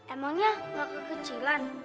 emangnya gak kekecilan